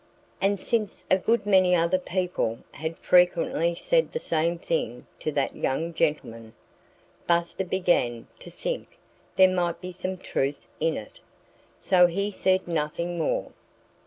And since a good many other people had frequently said the same thing to that young gentleman, Buster began to think there might be some truth in it. So he said nothing more.